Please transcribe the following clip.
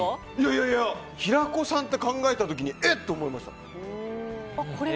いやいや平子さんって考えた時にえっ？と思いました。